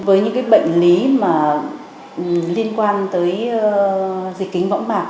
với những bệnh lý liên quan tới dịch kính võng mạc